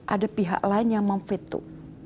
ada pihak lain yang memfetu